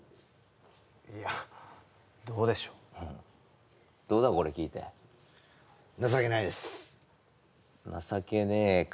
いやどうでしょうどうだこれ聞いて情けないです情けねえか